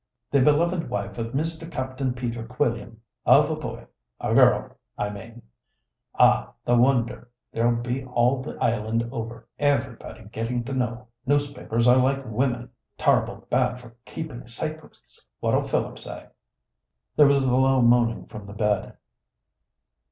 'The beloved wife of Mr. Capt'n Peter Quilliam, of a boy a girl,' I mane. Aw, the wonder there'll be all the island over everybody getting to know. Newspapers are like women ter'ble bad for keeping sacrets. What'll Philip say?"... There was a low moaning from the bed.